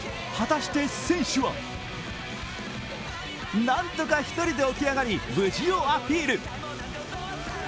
果たして、選手は？何とか１人で起き上がり、無事をアピール。